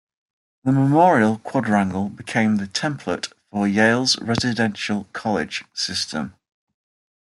The Memorial Quadrangle became the template for Yale's residential college system.